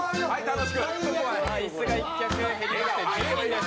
椅子が１脚減りまして、１０人です。